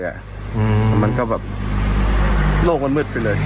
แล้วมันก็แบบโลกมันมืดไปเลย